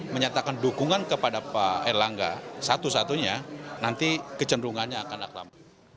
menyatakan dukungan kepada pak erlangga satu satunya nanti kecenderungannya akan aklam